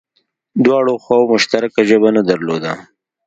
دواړو خواوو مشترکه ژبه نه درلوده